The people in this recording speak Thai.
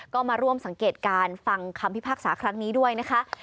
ก็มาร่วมสังเกตการฟังคำพิพากษาครั้งนี้ด้วยนะคะ